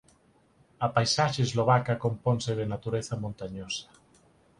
A paisaxe eslovaca componse de natureza montañosa.